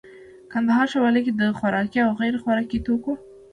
کندهار ښاروالي کي د خوراکي او غیري خوراکي توکو